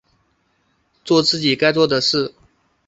作自己该做的事